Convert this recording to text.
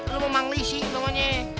lu memang lisi namanya